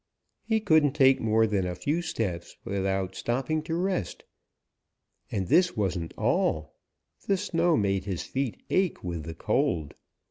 He couldn't take more than a few steps without stopping to rest. And this wasn't all; the snow made his feet ache with the cold.